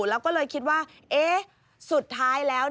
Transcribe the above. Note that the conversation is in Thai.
แล้วก็เลยคิดว่าเอ๊ะสุดท้ายแล้ว